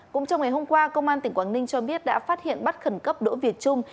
cũng trong ngày hôm qua công an tỉnh quảng ninh cho biết đã phát hiện bắt khẩn cấp đỗ việt trung